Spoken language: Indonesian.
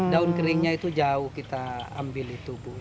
daun keringnya itu jauh kita ambil itu bu